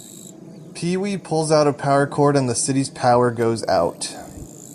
Pee-Wee pulls out a power cord and the city's power goes out.